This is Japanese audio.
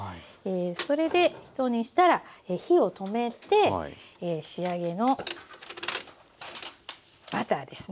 それでひと煮したら火を止めて仕上げのバターですね。